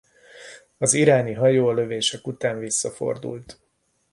Az iráni hajó a lövések után visszafordult.